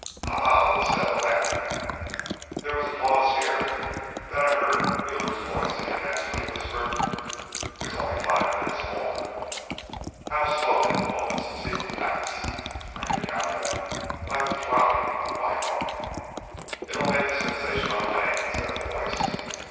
"Ha, ha! we'll settle that." There was a pause here. Then I heard Müller's voice in a ghastly whisper, "There's only five minutes more." How slowly the moments seemed to pass! I could count them by the throbbing of my heart. "It'll make a sensation on land," said a voice.